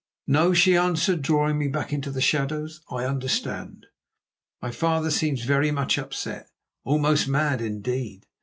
"No," she answered, drawing me back into the shadows, "I understand. My father seems very much upset, almost mad, indeed.